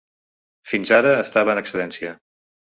Fins ara estava en excedència.